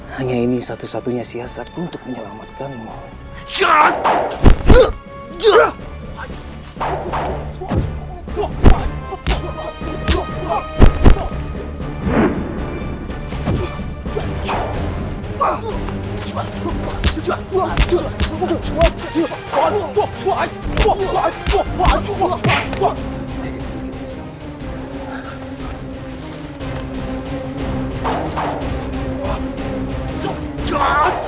hanya ini satu satunya siasatku untuk menyelamatkan mereka